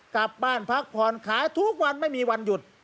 กลับบ้านพักผ่อนขายทุกวันไม่มีวันหยุด